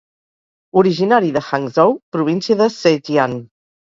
Originari de Hangzhou, província de Zhejiang.